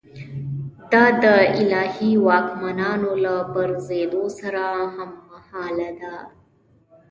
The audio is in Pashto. دا د الهي واکمنانو له پرځېدو سره هممهاله ده.